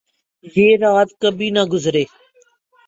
یہ رات کبھی نہ گزرے